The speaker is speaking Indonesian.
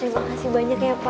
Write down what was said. terima kasih banyak ya pak